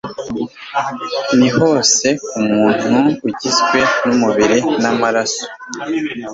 naho se ku muntu ugizwe n'umubiri n'amaraso